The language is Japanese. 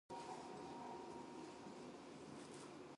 彼女は静かにドアを閉めました。